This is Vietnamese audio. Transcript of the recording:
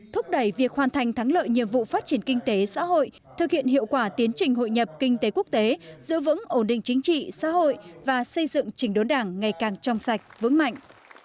thúc đẩy việc hoàn thành thắng lợi nhiệm vụ phát triển kinh tế xã hội thực hiện hiệu quả tiến trình hội nhập kinh tế quốc tế giữ vững ổn định chính trị xã hội và xây dựng trình đốn đảng ngày càng trong sạch vững mạnh